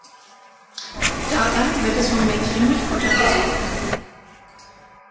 Dabei wird es vom Männchen mit Futter versorgt.